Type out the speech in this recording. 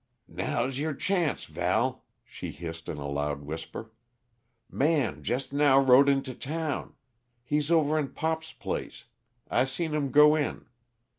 "Now's your chancet, Val," she hissed in a loud whisper. "Man jest now rode into town; he's over in Pop's place I seen him go in.